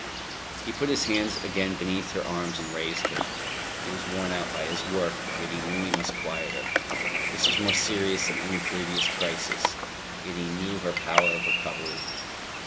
He put his hands again beneath her arms and raised her. He was worn out by his work, yet he knew he must quiet her. This was more serious than any previous crisis. Yet he knew her power of recovery.